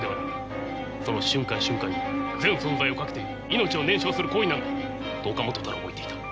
その瞬間瞬間に全存在をかけていのちを燃焼する行為なんだ。と岡本太郎も言っていた。